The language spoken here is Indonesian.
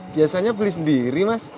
biasanya beli sendiri mas